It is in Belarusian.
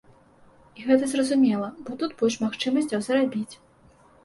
І гэта зразумела, бо тут больш магчымасцяў зарабіць.